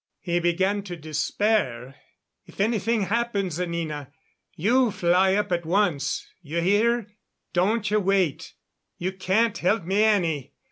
He began to despair. "If anything happens, Anina you fly up at once. You hear? Don't you wait. You can't help me any.